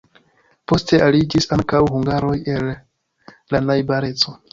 Poste aliĝis ankaŭ hungaroj el la najbareco.